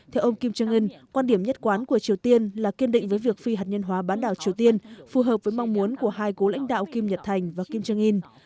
theo ông kim jong un quan điểm nhất quán của triều tiên là kiên định với việc phi hạt nhân hóa bán đảo triều tiên phù hợp với mong muốn của hai cố lãnh đạo kim nhật thành và kim jong un